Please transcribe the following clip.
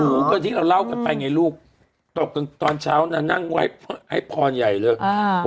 โอ้โหก็ที่เราเล่ากันไปไงลูกตกกลางตอนเช้าน่ะนั่งไว้ให้พรใหญ่เลยอ่า